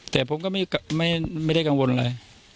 แต่ผมก็ไม่ได้กังวลอะไร